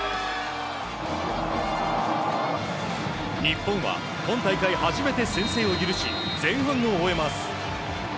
日本は今大会初めて先制を許し前半を終えます。